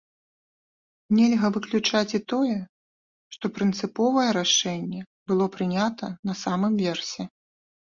Нельга выключаць і тое, што прынцыповае рашэнне было прынята на самым версе.